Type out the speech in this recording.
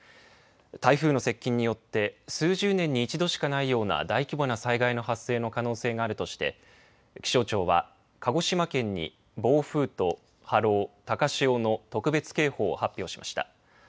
台風の接近によって数十年に一度しかないような大規模な災害の発生の可能性があるとして気象庁は、鹿児島県に暴風と波浪高潮の特別警報を発表しました。